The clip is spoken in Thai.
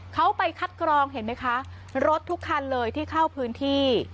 เขาไปคัดกรองเห็นไหมคะรถทุกคันเลยที่เข้าพื้นที่